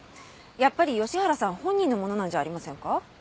やっぱり吉原さん本人のものなんじゃありませんか？